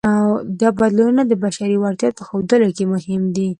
دا بدلونونه د بشري وړتیا په ښودلو کې مهم دي.